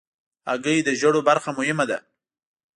هګۍ د ژیړو برخه مهمه ده.